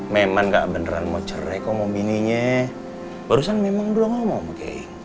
memang gak beneran mau cerai komo bininya barusan memang belum ngomong